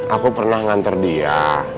aku pernah nganter dia